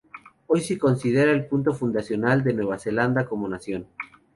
Hoy se considera el punto fundacional de Nueva Zelanda como nación.